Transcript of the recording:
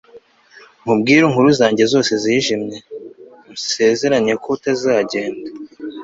nkubwire inkuru zanjye zose zijimye, usezeranye ko utazagenda